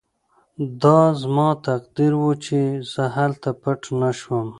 دا زما تقدیر و چې زه هلته پټ نه شوم